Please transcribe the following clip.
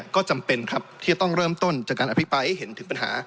ก็จำเป็นครับที่จะต้องเริ่มต้นจากการอภิปรายให้เห็นถึงปัญหา